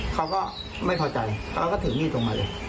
เขาก็ไม่พอใจเขาก็ถึงนี่ตรงมาเลย